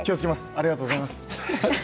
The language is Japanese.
ありがとうございます。